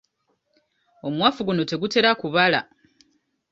Omuwafu guno tegutera kubala.